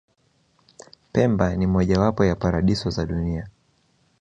pemba ni moja wapo ya paradiso za dunia